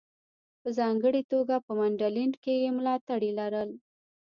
په ځانګړې توګه په منډلینډ کې یې ملاتړي لرل.